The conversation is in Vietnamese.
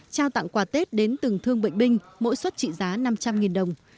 trao tặng quà tết đến từng thương bệnh binh mỗi suất trị giá năm trăm linh đồng